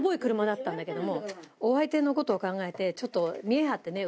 んだけどもお相手のことを考えてちょっと見え張ってね